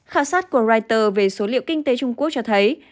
khảo sát của reuters về số liệu kinh tế trung quốc cho thấy